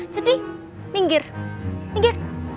jadi minggir minggir